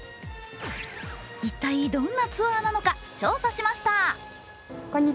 一体、どんなツアーなのか調査しました。